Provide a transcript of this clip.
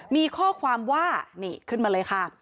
มีข้อความว่านี่ขึ้นมาเลยค่ะ